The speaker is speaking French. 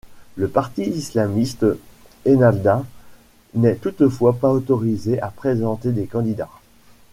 Le parti islamiste Ennahdha n'est toutefois pas autorisé à présenter des candidats.